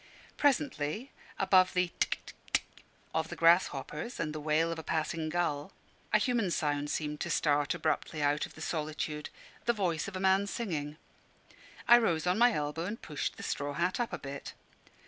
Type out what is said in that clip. Presently, above the tic a tic tick of the grasshoppers, and the wail of a passing gull, a human sound seemed to start abruptly out of the solitude the voice of a man singing. I rose on my elbow, and pushed the straw hat up a bit.